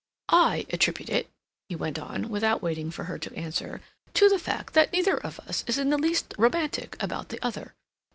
"I attribute it," he went on, without waiting for her to answer, "to the fact that neither of us is in the least romantic about the other.